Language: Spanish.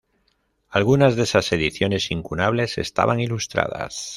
Algunas de esas ediciones incunables estaban ilustradas.